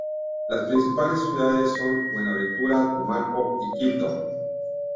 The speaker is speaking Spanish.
Las principales ciudades son Buenaventura, Tumaco y Quibdó.